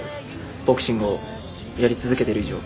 ボクシングをやり続けてる以上